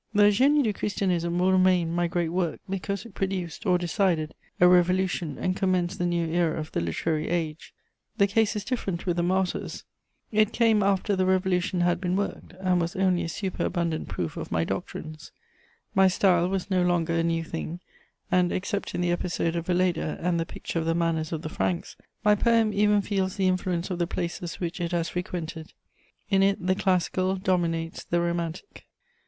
The Génie du Christianisme will remain my great work, because it produced, or decided, a revolution and commenced the new era of the literary age. The case is different with the Martyrs: it came after the revolution had been worked, and was only a superabundant proof of my doctrines; my style was no longer a new thing, and, except in the episode of Velléda and the picture of the manners of the Franks, my poem even feels the influence of the places which it has frequented: in it the classical dominates the romantic.